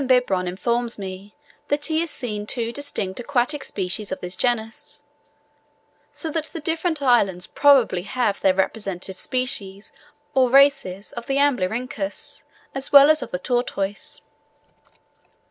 Bibron informs me that he has seen two distinct aquatic species of this genus; so that the different islands probably have their representative species or races of the Amblyrhynchus, as well as of the tortoise.